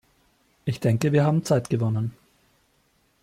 Ich denke, wir haben Zeit gewonnen.